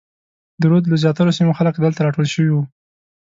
د رود له زیاترو سیمو خلک دلته راټول شوي وو.